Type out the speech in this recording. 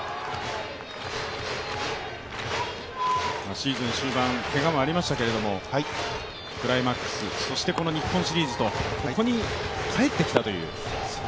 シーズン終盤、けがもありましたけれども、クライマックス、そしてこの日本シリーズと、ここに帰ってきたという。